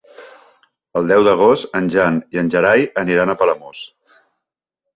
El deu d'agost en Jan i en Gerai aniran a Palamós.